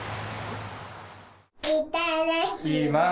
いただきます。